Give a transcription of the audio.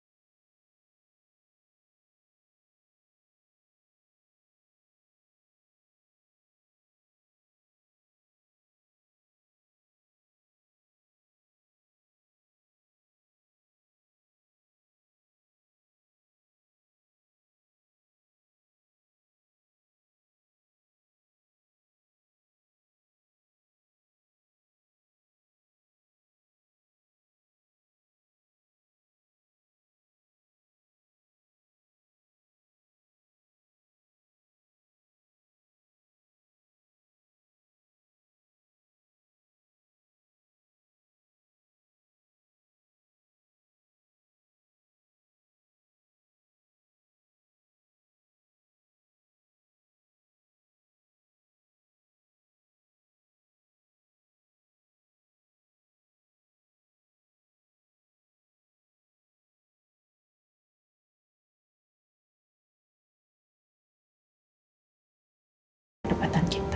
gak ada pertempuran kita